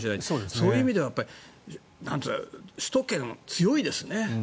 そういう意味では首都圏強いですね。